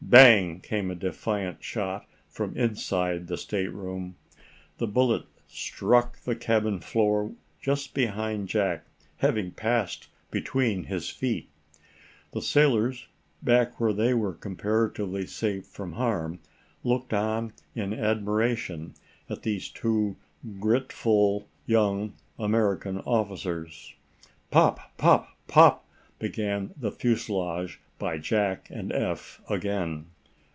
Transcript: Bang! came a defiant shot from inside the stateroom. The bullet struck the cabin floor just behind Jack, having passed between his feet. The sailors, back where they were comparatively safe from harm, looked on in admiration at these two grit full young American officers. Pop pop pop! began the fusilade by Jack and Eph again.